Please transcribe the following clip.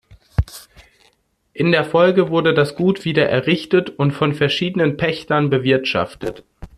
In der Folge wurde das Gut wieder errichtet und von verschiedenen Pächtern bewirtschaftet.